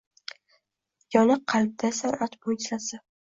Yoniq qalbda san’at mo‘’jizasi